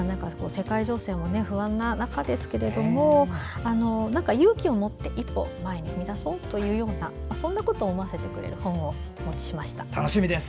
世界情勢も不安な中ですけれども勇気を持って一歩前に踏み出そうというようなことを思わせてくれる本をお持ちしました。